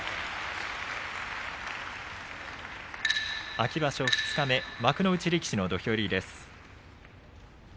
秋場所二日目幕内力士の土俵入りです。